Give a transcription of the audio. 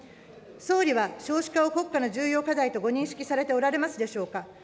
総理は、少子化を国家の重要課題とご認識されておられますでしょうか。